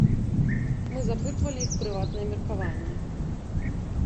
Мы запытвалі іх прыватнае меркаванне.